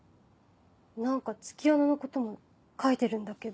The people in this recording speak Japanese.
何か月夜野のことも書いてるんだけど。